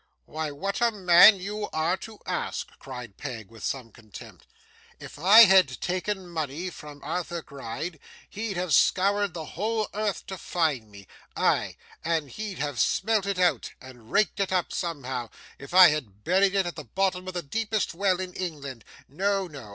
'Why, what a man you are to ask!' cried Peg, with some contempt. 'If I had taken money from Arthur Gride, he'd have scoured the whole earth to find me aye, and he'd have smelt it out, and raked it up, somehow, if I had buried it at the bottom of the deepest well in England. No, no!